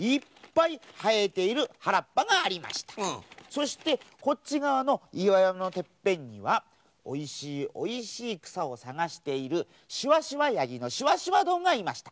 そしてこっちがわのいわやまのてっぺんにはおいしいおいしいくさをさがしているしわしわヤギのしわしわどんがいました。